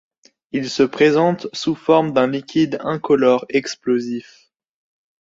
Il se présente sous forme d'un liquide incolore explosif.